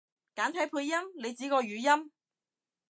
簡體配音？你指個語音？